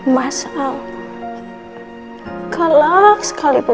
mas am gelap sekali ibu